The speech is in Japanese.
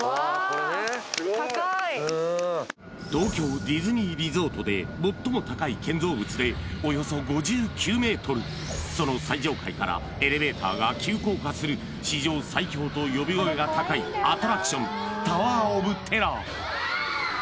これね東京ディズニーリゾートで最も高い建造物でおよそ５９ｍその最上階からエレベーターが急降下する史上最恐と呼び声が高いアトラクションタワー・オブ・テラー